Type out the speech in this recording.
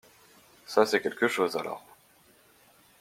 Ça c’est quelque choses alors.